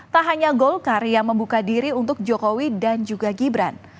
tak hanya golkar yang membuka diri untuk jokowi dan juga gibran